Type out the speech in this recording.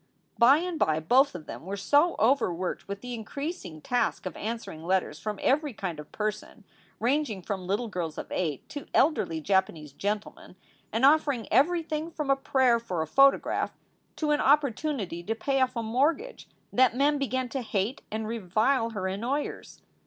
By and by both of them were so overworked with the increasing task of answering letters from every kind of per son, ranging from little girls of eight to elderly Japanese gentlemen, and offering everything from a prayer for a photograph to an opportunity to pay off a mortgage, that Mem began to hate and revile her annoyers.